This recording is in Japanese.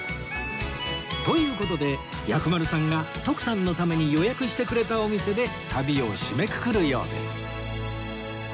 という事で薬丸さんが徳さんのために予約してくれたお店で旅を締めくくるようです